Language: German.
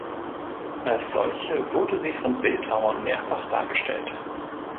Als solche wurde sie von Bildhauern mehrfach dargestellt.